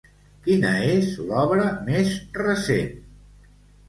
Quina és l'obra més recent?